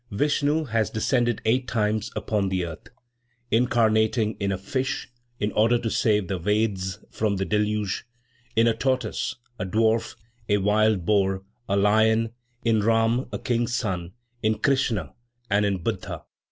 Vishnu has descended eight times upon the earth, incarnating in a fish in order to save the Vedas from the deluge, in a tortoise, a dwarf, a wild boar, a lion, in Rama, a king's son, in Krishna and in Buddha.